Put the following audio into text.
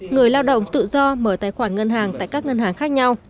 người lao động tự do mở tài khoản ngân hàng tại các ngân hàng khác nhau